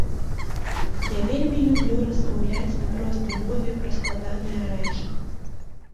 Я вельмі люблю размаўляць на простай мове пра складаныя рэчах.